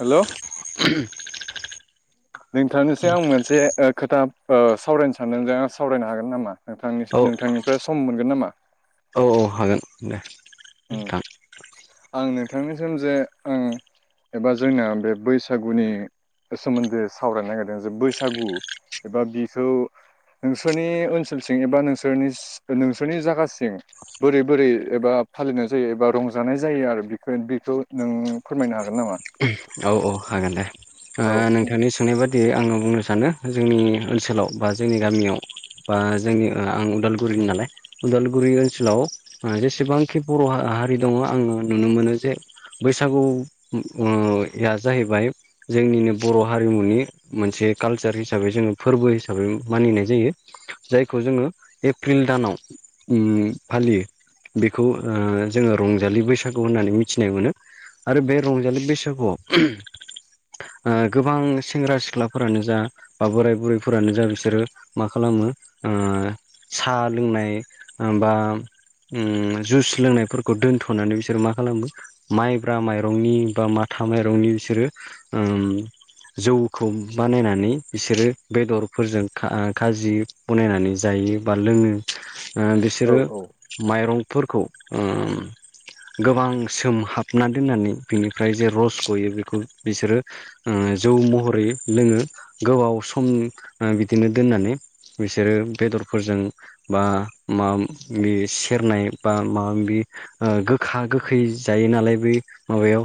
Hello औ नोंथांनोसै आं मोनसे ओ खोथा ओ सावरायनो सानदों जों सावरायनो हागोन नामा नोंथांनि नोंथांनिफ्राय सम मोनगोन नामा? औ औ हागोन दे उम नोंथां। आं नोंथांनिसिम जे आं एबा जोंना बे बैसागुनि सोमोन्दोै सावरायनो नागिरदों जे बैसागु एबा बिखौ नोंसोरनि ओनसोलसिं एबा नोंसोरनि सि नोंसोरनि जायगासिं बोरै बोरै एबा फालिनाय जायो एबा रंजानाय जायो आरो बेखौ बेखौ नों फोरमायनो हागोन नामा? औ औ हागोन दे दा औ नोंथांनि सोंनाय बादि दि आङो बुंनो सानो जोंनि ओनसोलाव बा जोंनि गामियाव बा जोंनि आं उदालगुरिनि नालाय उदालगुरि ओनसोलाव ओ जेसेबांखि बर' हा-हारि दङ आङो नुनो मोनो जे बैसागु ओ या जाहैबाय जोंनिनो बर' हारिमुनि मोनसे कालसार हिसाबै जोङो फोरबो हिसाबै मानिनाय जायो। जायखौ जोङो एप्रिल दानाव उम फालियो बेखौ ओ जोङो रंजालि बैसागु होननानै मिथिनाय मोनो। आरो बे रंजालि बैसागुआव ओ गोबां सेंग्रा सिख्लाफोरानो जा बा बोराय बुरैफोरानो जा बिसोरो मा खालामो ओ साहा लोंनाय बा उम जुइस लोंनायफोरखौ दोनथ'नानै बिसोर मा खालामो माइब्रा माइरंनि बा माथा माइरंनि बिसोरो ओम जौखौ बानायनानै बिसोरो बेदरफोरजों खा-खाजि बनायनानै जायो बा लोङो। ओ औ बिसोरो माइरंफोरखौ ओ गोबां सोम हाबना दोननानै बिनिफ्राय जे रस गयो बेखौ बिसोरो ओ जौ महरै लोङो गोबाव सम ओ बिदिनो दोननानै। बिसोरो बेदरफोरजों बा मा बि सेरनाय बा माबा बि ओ गोखा गोखै जायो नालाय बे माबायाव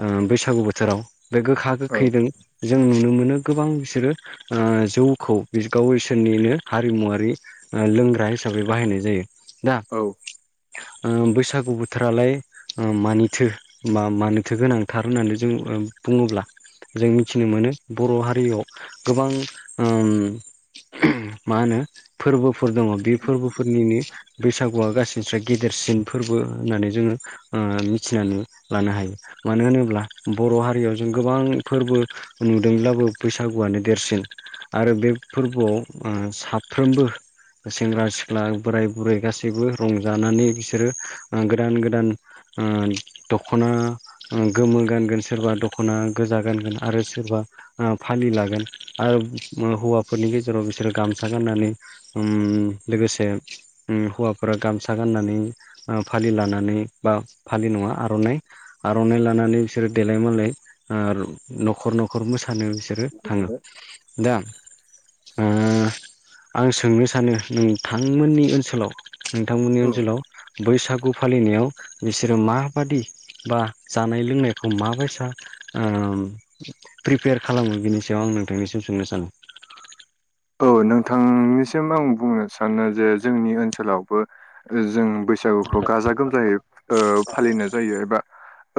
ओ बै सागु बोथोराव बे गोखा औ गोखैदों जों नुनो मोनो गोबां बिसोरो ओ जौखौ गाव इसोरनिनो हारिमुवारि लोंग्रा हिसाबै बाहायनाय जायो। दा औ ओ बैसागु बोथोरालाय ओ मानिथो बा मानोथो गोनांथार? होननानै जों ओ बुङोब्ला जों मिथिनो मोनो बर' हारियाव गोबां ओम उम मा होनो फोरबोफोर दङ बे फोरबोफोरनिनो बैसागुआ गासैनिस्राय गेदेरसिन फोरबो होननानै जोङो ओक्षमिथिनानै लानो हायो मानो होनोब्ला? बर' हारियाव जों गोबां फोरबो नुदोंब्लाबो बैसागुआनो देरसिन। आरो बे फोरबोआव ओ साफ्रोमबो सेंग्रा सिख्ला बोराय बुरै गासैबो रंजानानै बिसोरो गोदान गोदान ओ दख'ना ओ गोमो गानगोन सोरबा दख'ना गोजा गानगोन आरो सोरबा फालि लागोन आरो हौवाफोरनि गेजेराव बिसोरो गामसा गाननानै उम लोगोसे ओम हौवाफोरा गामसा गाननानै फालि लानानै बा फालि नङा आर'नाइ आर'नाइ लानानै बिसोरो देलाय मालाय ओ न'खर न'खर मोसानो बिसोरो थाङो। दा ओम आं सोंनो सानो नोंथांमोननि ओनसोलाव नोंथांमोननि औ ओनसोलाव बैसागु फालिनायाव बिसोरो माबादि बा जानाय लोंनाय खौ माबायसा ओ प्रिपेयार खालामो बिनि सायाव आं नोंथांनिसिम सोंनो सानो। औ नोंथांनिसिम आं बुंनो सानो जे जोंनि ओनसोलावबो जों बैसागुखौ गाजा गोमजायै ओ फालिनाय जायो एबा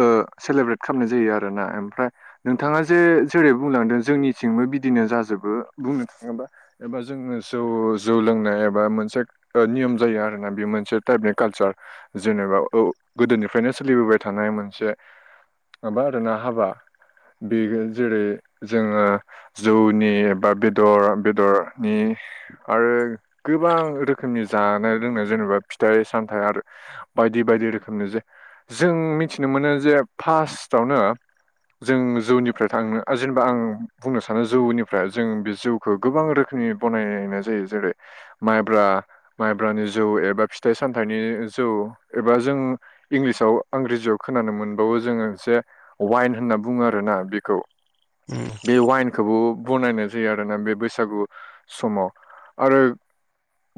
ओ सेलेब्रेट खालामनाय जायो आरोना। ओमफ्राय नोंथाङा जे जेरै बुंलांदों जोंनिथिंबो बिदिनो जाजोबो बुंनो थाङोबा। एबा जों जौ जौ लोंनाय एबा मोनसे ओ नियम जायो आरोना बे मोनसे टाइपनि कालचार जेनेबा औ गोदोनिफ्रायनो सोलिबोबाय थानाय मोनसे माबा आरोना हाबा बेयो जेरै- जोङो जौनि बा बेदर बेदरनि आरो गोबां रोखोमनि जानाय लोंनाय जेनेबा फिथाइ सामथाइ आरो बायदि बायदि रोखोमनि जे जों मिथिनो मोनो जे फास्टआवनो जों जौनिफ्राय थांनो ओ जेनेबा आं बुंनो सानो जौनिफ्राय जों बे जौ खौ गोबां रोखोमनि बनायनाय जायो जेरै- माइब्रा माइब्रानि जौ एबा फिथाइ सामथाइनि जौ एबा जों इंलिसाव इंराजिआव खोनानो मोनबावो जोङो एसे वाइन होनना बुङो आरो ना बेखौ उम बे वाइनखौबो बनायनाय जायो आरोना बे बैसागु समाव आरो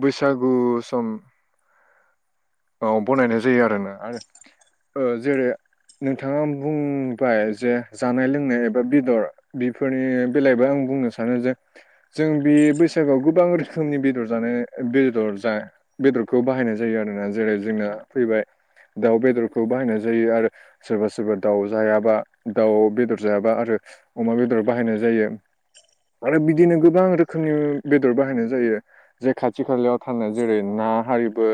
बैसागु सम औ बनायनाय जायो आरोना आरो ओ जेरै - नोंथाङा बुंबाय जे जानाय लोंनाय एबा बेदर बेफोरनि बेलायावबो आं बुंनो सानो जे जों बे बैसागोआव गोबां रोखोमनि बेदर जानो बेदर जा बेदरखौ बाहायनाय जायो आरोना जेरै- जोंना फैबाय दाउ बेदरखौ बाहायनाय जायो आरो सोरबा सोरबा दाउ जायाबा दाउ बेदर जायाबा आरो अमा बेदर बाहायनाय जायो। आरो बिदिनो गोबां रोखोमनि बेदर बाहायनाय जायो। जे खाथि खालायाव थानाय जेरै- ना हारिबो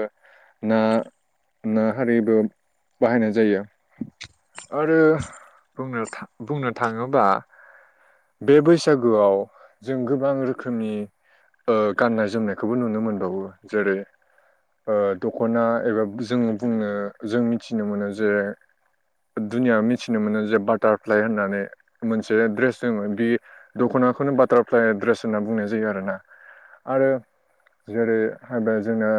ना ना हारिबो बाहायनाय जायो। आरो बुंनो थां बुंनो थाङोबा बे बैसागोआव जों गोबां रोखोमनि ओ गाननाय जोमनायखौबो नुनो मोनबावो जेरै - ओ दख'ना एबा जों बुंनो जों मिथिनो मोनो जे दुनियायाव मिथिनो मोनो जे बाटारफ्लाइ होननानै मोनसे द्रेस दङ बे दख'नाखौनो बाटारफ्लाइ ड्रेस होनना बुंनाय जायो आरोना आरो जेरै- हाबा जोंना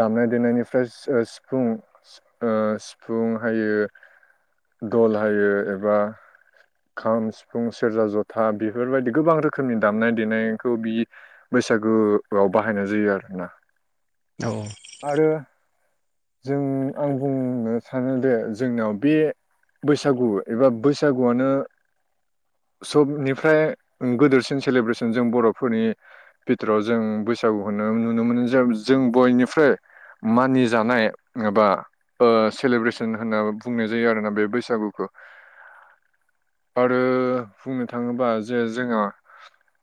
दामनाय देनायनिफ्राय [unintelligible] सिफुं ओ सिफुं हायो दल हायो एबा खाम सिफुं सेरजा जथा बेफोरबायदि गोबां रोखोमनि दामनाय देनायखौ बि बैसागोफ्राव बाहायनाय जायो आरोना। औ औ आरो जों आं बुंनो सानो दे जोंनाव बे बैसागु एबा बैसागुआनो सबनिफ्राय गोदोरसिन सेलेब्रेसन जों बर'फोरनि बिथोराव जों बैसागुखौनो नुनो मोनो जे जों बयनिबो फ्रो मानिजानाय एबा ओ सेलेब्रेसन होनना बुंनाय जायो आरोना बे बैसागुखौ। आरो बुंनो थाङोबा जे जोङो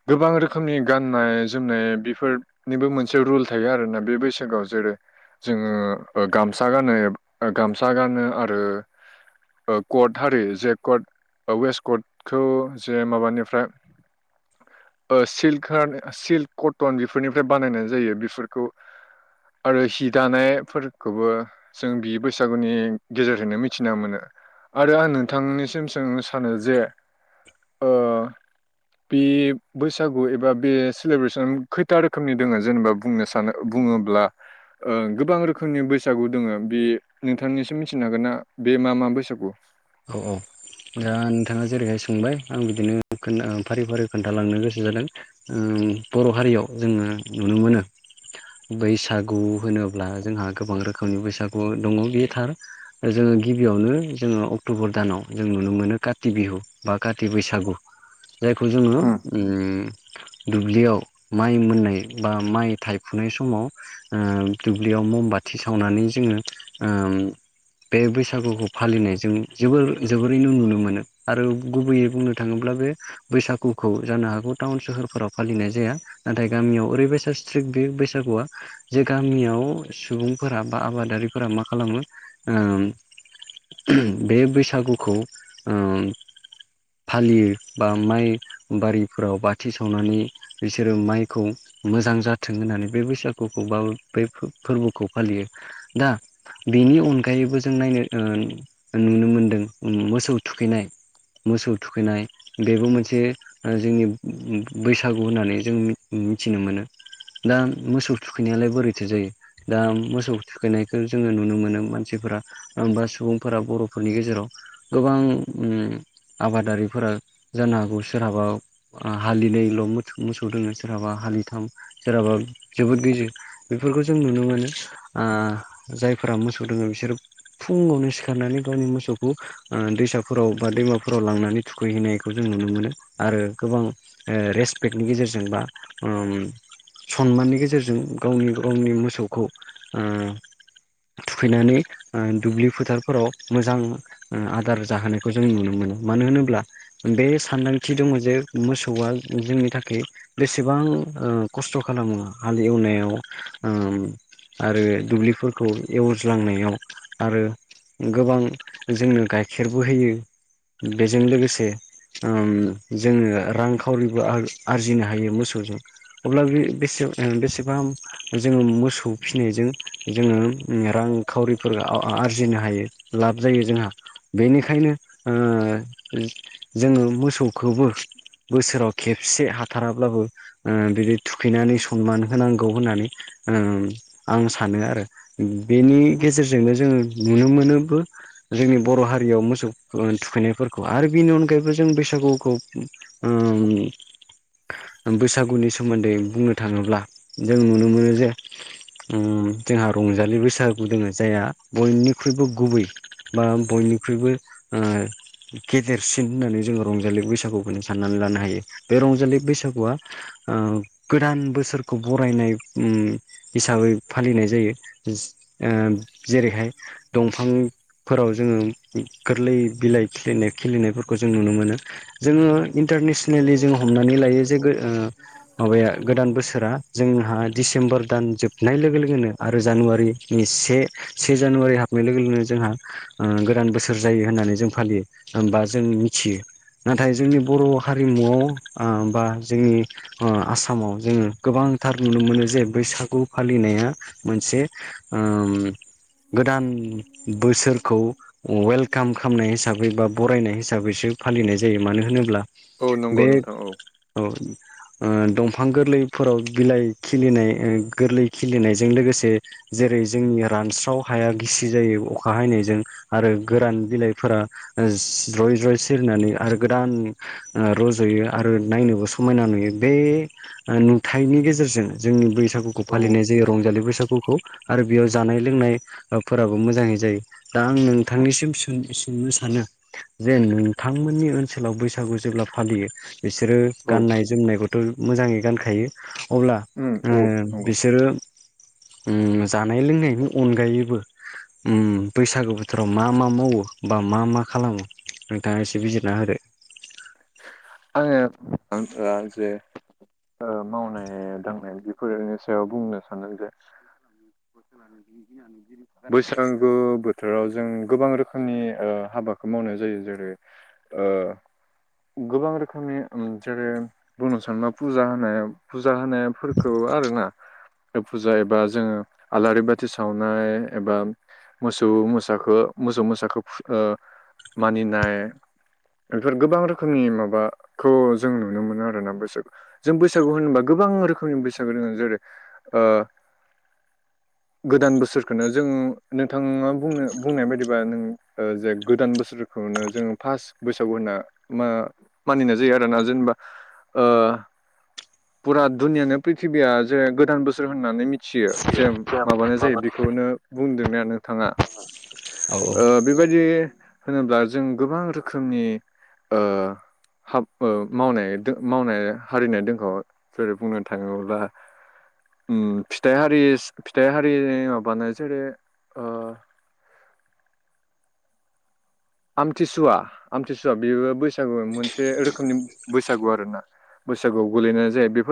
गोबां रोखोमनि गाननाय जोमनाय बेफोरनिबो मोनसे रुल थायो आरोना बे बैस सागोआव जेरै- जोङो ओ गामसा गानो ओ गामसा गानो आरो ओ कट हारि जे कट औ वेस्ट कटखौ जे माबानिफ्राय ओ सिल्कान सिल्क कटन बेफोरनिफ्राय बानायनाय जायो बेफोरखौ। आरो सि दानायफोरखौबो जों बि बैसागुनि गेजेरजोंनो मिथिना मोनो। आरो आं नोंथांनिसिम सोंनो सानो जे ओ बे बैसागु एबा बे सेलेब्रेसन खैथा रोखोमनि दोङो जेनेबा बुंनो सानो बुङोब्ला ओ गोबां रोखोमनि बैसागु दङ बे नोंथांनिसिम मिथिनो हागोन ना बे मा मा बैसागु? औ औ। दा नोंथाङा जेरैहाय सोंबाय आं बिदिनो खोननो फारि फारि खोन्थालांनो गोसो जादों। ओम बर' हारियाव जोङो नुनो मोनो बैसागु होनोब्ला जोंहा गोबां रोखोमनि बैसागु दङ बेयो थार। जोङो गिबियावनो जोङो अक्ट'बर दानाव जों नुनो मोनो काति बिहु बा काति बैसाग। जायखौ जोङो उम ओम दुब्लियाव माइ मोननाय बा माइ थायफुनाय समाव ओम दुब्लियाव मम बाथि सावनानै जोङो ओम बे बैसागुखौ फालिनायजों जोबोर जोबोरैनो नुनो मोनो आरो गुबैयै बुंनो थाङोब्ला बे बैसागुखौ जानो हागौ टाउन सोहोरफोराव फालिनाय जाया। नाथाय गामियाव ओरैबायसा स्ट्रिक्ट बे बैसागुआ जे गामियाव सुबुंफोरा बा आबादारिफोरा मा खालामो ओम बे बैसागुखौ ओम फालियो बा माइ बारिफोराव बाथि सावनानै बिसोरो माइखौ मोजां जाथों होननानै बे बैसागुखौ बाबो बेै फो-फोर्बोखौ फालियो। दा बेनि अनगायैबो जों नायनो ओ नुनो मोनदों उम मोसौ थुखैनाय मोसौ थुखैनाय बेबो मोनसे ओ जोंनि उम बैसागु होननानै जों उम मिथिनो मोनो। दा मोसौ थुखैनायालाय बोरैथो जायो? दा मोसौ थुखैनायखो जोङो नुनो मोनो मानसिफोरा ओम बा सुबुं फोरा बर'फोरनि गेजेराव गोबां उम आबादारिफोरा जानो हागौ सोरहाबा ओ हालिनैल' मोस मोसौ दोङो सोरहाबा हालिथाम सोरहाबा जोबोद गिजि बेफोरखौ जों नुनो मोनो आ जायफोरा मोसौ दोङो बिसोरो फुङावनो सि खारनानै गावनि मोसौखौ ओ दैसाफोराव बा दैमाफोराव लांनानै थुखैहैनायखौ जों नुनो मोनो आरो गोबां ओ रेसपेक्टनि गेजेरजों बा ओम सनमाननि गेजेरजों गावनि गावनि मोसौखौ उम थुखैनानै ओ दुब्लि फोथार फोराव मोजां ओं आदार जाहोनायखौ जों नुनो मोनो मानो होनोब्ला बे सानदांथि दङ जे मोसौआ जोंनि थाखोय बेसेबां ओ खस्थ' खालामो हाल एवनायाव ओम आरो दुब्लिफोरखौ एवज्लांनायाव आरो गोबां जोंनो गाइखेरबो होयो बेजों लोगोसे ओम जोङो रांखावरिबो आर-आरजिनो हायो मोसौजों। अब्ला बे बेसे ओ बेसेबां जोङो मोसौ फिनायजों जोङो उम रांखावरिफोर आव आरजिनो हायो। लाब जायो जोंहा बेनिखायनो ओ जोङो मोसौखौबो बोसोराव खेबसे हाथाराब्लाबो ओ बिदि थुखैनानै सनमान होनांगौ होननानै ओम आं सानो आरो बेनि गेजेरजोंनो जोङो नुनो मोनो बो जोंनि बर' हारियाव मोसौ ओ थुखैनायफोरखौ आरो बिनि अनगायैबो जों बैसागुखौ ओम बैसागुनि सोमोन्दै बुंनो थाङोब्ला जों नुनो मोनो जे उम जोंहा रंजालि बैसागु दोङो जायहा बयनिख्रुइबो गुबै। बा बयनिख्रुइबो ओ गेदेरसिन होननानै जोङो रंजालि बैसागुखौनो साननानै लानो हायो बे रंजालि बैसागुआ गोदान बोसोरखौ बरायनायनि हिसाबै फालिनाय जायो ओ जेरैहाय दंफांनि फोराव जोङो गोरलै बिलाइ खिलिनाय खिलिनायफोरखौ जों नुनो मोनो। जोङो इन्टारनेसनेलि जोङो हमनानै लायो जेबो ओ माबाया गोदान बोसोरा जोंहा डिसेम्बर दान जोबनाय लोगो लोगोनो आरो जानुवारिनि से से जानुवारि हाबनाय लोगो लोगोनो जोंहा ओ गोदान बोसोर जायो होननानै जों फालियो होनबा जों मिथियो। नाथाय जोंनि बर' हारिमुआव बा जोंनि आसामाव जोङो गोबांथार नुनो मोनो जे बैसागु फालिनाया मोनसे ओम गोदान बोसोर खौ वेलकाम खालामनाय हिसाबै बा बरायनाय हिसाबैसो फालिनाय जायो मानो होनोब्ला औ नंगौ नोंथां औ। औ ओ दंफां गोरलैफोराव बिलाइ खिलिनाय उम गोरलै खिलिनायजों लोगोसे जेरै जोंनि रानस्राव हाया गिसि जायो अखा हायो। जों आरो गोरान बिलाइफोरा ज्रय ज्रय सिरिनानै आरो गोदान रज'यो आरो नायनोबो समायना नुयो बे नुथाइनि गेजेरजों जोंनि बैसागु खौ औ फालिनाय जायो रंजालि बैसागुखौ आरो बेयाव जानाय लोंनाय फोराबो मोजाङै जायो। दा आं नोंथांनिसिम सोंनो सानो जे नोंथांमोननि ओनसोलाव बैसागु जेब्ला फालियो बिसोरो औ। गाननाय जोमनायखौथ' मोजाङै गानखायो अब्ला उम ओ औ नंगौ बिसोरो उम जानाय लोंनायनि अनगायैबो उम बैसागु बोथोराव मा मा मावो बा मा मा खालामो नोंथाङा एसे बिजिरना होदो। आङो आंसो ओ मावनाय दांनाय बेफोरनि सायाव बुंनो सानदों जे [inaudible] बैसागु बोथोराव जों गोबां रोखोमनि हाबाखौ मावनाय जायो जेरै ओ गोबां रोखोमनि उम जेरै बुंनो सानबा फुजा होनाया फुजा होनायफोरखौ आरोना। फुजा एबा जोङो आलारि बाथि सावनाय एबा मोसौ मोसाखो मोसौ मोसाखो फु ओ मानिनाय बेफोर गोबां रोखोमनि माबाखौ जों नुनो मोनो आरोना बैसोर। जों बैसागु होनोबा गोबां रोखोमनि बैसागु जेरै गोदान बोसोरखौनो जों नोंथाङा बुंनो बुंनाय बायदिबा नों जे गोदान बोसोर खौनो जोङो फास बैसागु होनना मा मानिनाय जायो आरोना जेनेबा ओ फुरा दुनियानो प्रिथ्रिबिया जे गोदान बोसोर होननानै मिथियो जे माबानाय जायो बिखौनो बुंदोना नोंथाङा औ औ ओ बेबायदि होनोब्ला जों गोबां रोखोमनि ओ हाब मावनाय मावनाय हारिनाय दोंखौ जेरै बुंनो थाङोब्ला ओम फिथाइ हारि फिथाइ हारिनि माबानो जेरै ओ आमथिसुवा आमथिसुवा बेबो बैसागु मोनसे रोखोमनि बैसागु आरोना। बैसागुआव गोलैनाय जायो बेफोर